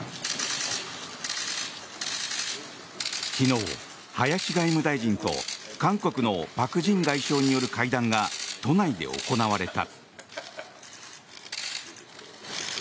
昨日、林外務大臣と韓国のパク・ジン外相による会談が都内で行われた。